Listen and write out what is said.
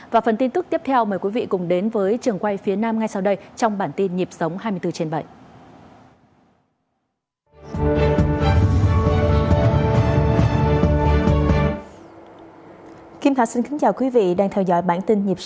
và phần tin tức tiếp theo mời quý vị cùng đến với trường quay phía nam ngay sau đây trong bản tin nhịp sống hai mươi bốn trên bảy